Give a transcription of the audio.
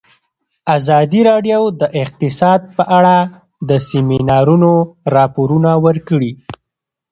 ازادي راډیو د اقتصاد په اړه د سیمینارونو راپورونه ورکړي.